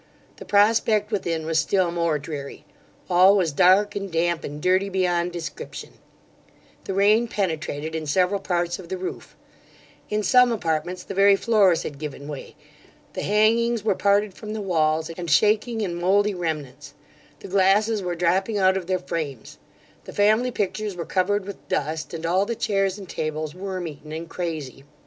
The prospect within was still more dreary All was dark, and damp, and dirty beyond description; the rain penetrated in several parts of the roof; in some apartments the very floors had given way; the hangings were parted from the walls, and shaking in mouldy remnants; the glasses were dropping out of their frames; the family pictures were covered with dust and all the chairs and tables worm eaten and crazy.